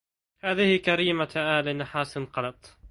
هذه كريمة آل نحاس قضت